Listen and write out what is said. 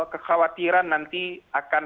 kekhawatiran nanti akan